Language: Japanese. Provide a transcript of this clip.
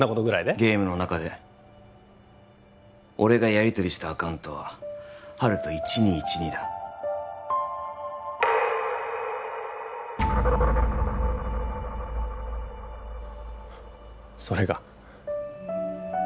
ゲームの中で俺がやりとりしたアカウントは「ｈａｒｕｔｏ１２１２」だそれが？